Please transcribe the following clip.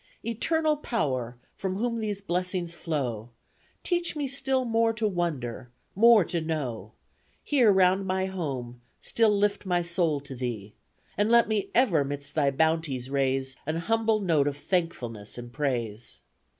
Eternal power! from whom these blessings flow, Teach me still more to wonder more to know, Here round my home still lift my soul to thee, And let me ever midst thy bounties raise An humble note of thankfulness and praise.